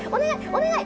お願い！